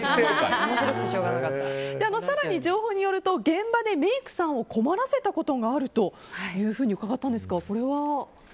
更に情報によると現場でメイクさんを困らせたことがあるというふうにうかがったんですが、これは？